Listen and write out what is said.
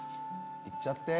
行っちゃって！